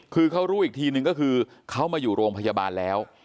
คือเขารู้อีกทีนึงก็คือเขามาอยู่โรงพยาบาลแล้ว